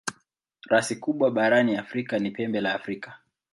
Rasi kubwa barani Afrika ni Pembe la Afrika.